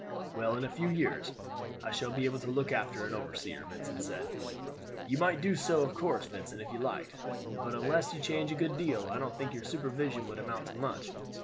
"Well, in a few years I shall be able to look after an overseer," Vincent said. "You might do so, of course, Vincent, if you liked; but unless you change a good deal, I don't think your supervision would amount to much.